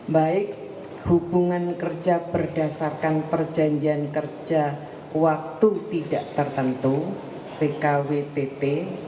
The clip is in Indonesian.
baik hubungan kerja berdasarkan perjanjian kerja waktu tidak tertentu pkwtt